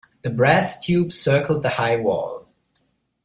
The brass tube circled the high wall.